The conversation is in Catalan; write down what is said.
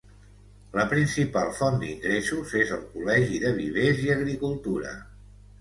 La principal font d'ingressos és el Col·legi de Vivers i Agricultura.